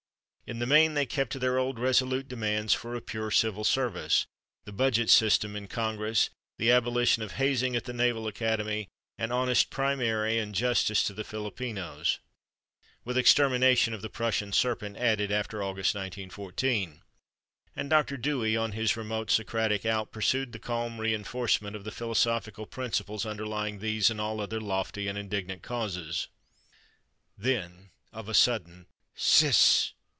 In the main they kept to their old resolute demands for a pure civil service, the budget system in Congress, the abolition of hazing at the Naval Academy, an honest primary and justice to the Filipinos, with extermination of the Prussian serpent added after August, 1914. And Dr. Dewey, on his remote Socratic Alp, pursued the calm reënforcement of the philosophical principles underlying these and all other lofty and indignant causes.... Then, of a sudden, Siss!